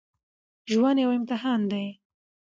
ژوند يو امتحان دی